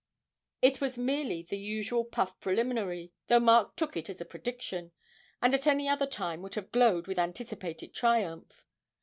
It was merely the usual puff preliminary, though Mark took it as a prediction, and at any other time would have glowed with anticipated triumph.